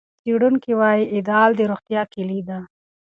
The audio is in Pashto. څېړونکي وايي اعتدال د روغتیا کلید دی.